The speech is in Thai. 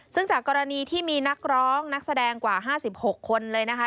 ซึ่งจากกรณีที่มีนักร้องนักแสดงกว่า๕๖คนเลยนะคะ